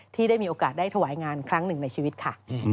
ที่ได้มีโอกาสได้ถวายงานครั้งหนึ่งในชีวิตค่ะ